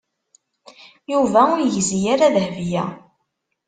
Yuba ur yegzi ara Dahbiya.